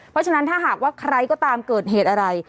เพราะฉะนั้นถ้าหากว่าใครก็ตามเกิดเหตุอะไร